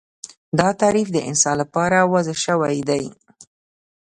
دا تعریف د انسان لپاره وضع شوی دی